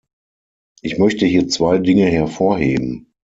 Ich möchte hier zwei Dinge hervorheben.